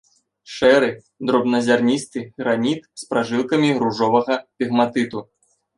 Шэры дробназярністы граніт з пражылкамі ружовага пегматыту.